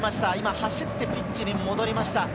走ってピッチに戻りました。